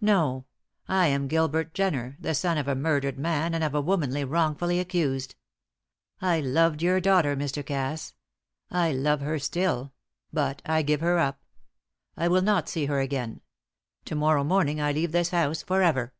"No, I am Gilbert Jenner, the son of a murdered man and of a woman wrongfully accused. I loved your daughter, Mr. Cass I love her still but I give her up. I will not see her again. To morrow morning I leave this house for ever!"